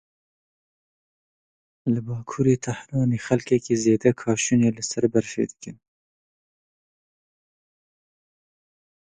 Li bakurê Tehranê xelkekî zêde kaşûnê li ser berfê dikin.